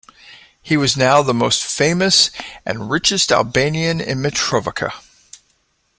He was now the most famous and richest Albanian in Mitrovica.